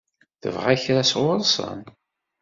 Tebɣa kra sɣur-sen?